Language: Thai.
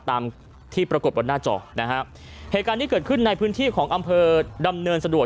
ตามที่ปรากฏบนหน้าจอนะฮะเหตุการณ์นี้เกิดขึ้นในพื้นที่ของอำเภอดำเนินสะดวก